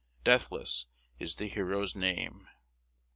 Deathless is the hero's name!